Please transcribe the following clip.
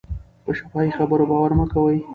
په شفاهي خبرو باور مه کوئ.